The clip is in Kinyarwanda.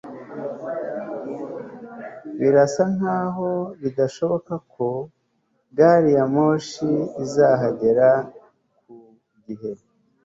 birasa nkaho bidashoboka ko gari ya moshi izahagera ku gihe